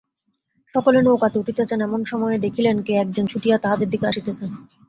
সকলে নৌকাতে উঠিতেছেন– এমন সময়ে দেখিলেন, কে একজন ছুটিয়া তাহাদের দিকে আসিতেছে।